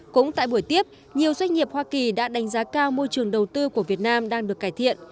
cũng tại buổi tiếp nhiều doanh nghiệp hoa kỳ đã đánh giá cao môi trường đầu tư của việt nam đang được cải thiện